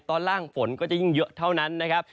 ตอนล่างฝนก็จะยิ่งเยอะเท่านั้นนะครับ